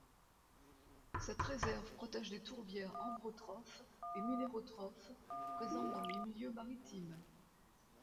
Cette réserve protège des tourbières ombrotrophes et minérotrophes présentes dans les milieux maritimes.